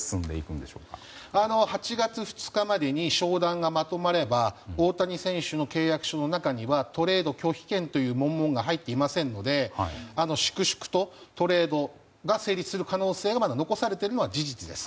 ８月２日までに商談がまとまれば大谷選手の契約書の中にはトレード拒否権という文言が入っていませんので粛々とトレードが成立する可能性が残されているのは事実です。